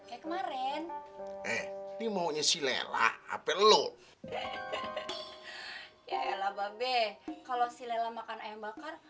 kemarin eh ini maunya si lela apa lo ya ya lah mbak be kalau si lela makan ayam bakar